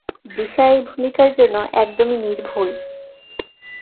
দিশা এই ভূমিকার জন্য একদমই নির্ভুল।